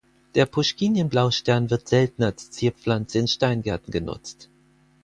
Der Puschkinien-Blaustern wird selten als Zierpflanze in Steingärten genutzt.